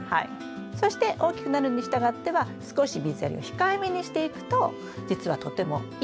そして大きくなるにしたがっては少し水やりを控えめにしていくと実はとてもいい苗が出来上がる。